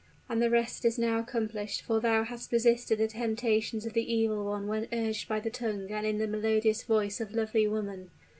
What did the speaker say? And the rest is now accomplished; for thou hast resisted the temptations of the evil one when urged by the tongue and in the melodious voice of lovely woman!